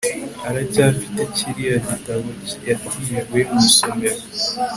aracyafite kiriya gitabo yatijwe mu isomero